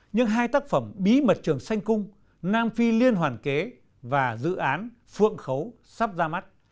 những hai tác phẩm bí mật trường sanh cung nam phi liên hoàn kế và dự án phượng khấu sắp ra mắt